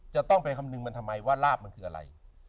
จะต้องไปคำนึงมันทำไมว่าลาบมันคืออะไร